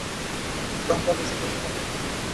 অন্য কিছুই কাহাকেও আকর্ষণ করিতে পারে না।